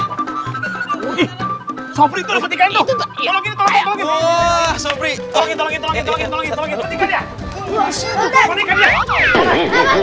masih ada ikan